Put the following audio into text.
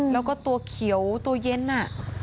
แล้วก็ตัวเขียวตัวเย็นน่ะ